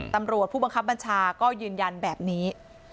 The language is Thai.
ตำรวจผู้บังคับบัญชาก็ยืนยันแบบนี้